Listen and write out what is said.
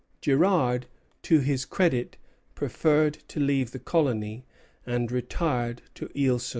Girard, to his credit, preferred to leave the colony, and retired to Isle St. Jean.